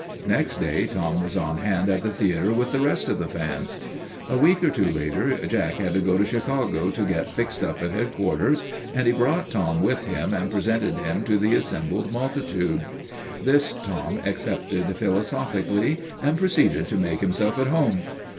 Next day Tom was on hand at the theater with the rest of the fans. A week or two later Jack had to go to Chicago to get fixed up at headquarters, and he brought Tom 274 TOM SAWYER OF THE MOVIES with him and presented him to the assembled multi tude. This Tom accepted philosophically and pro ceeded to make himself at home.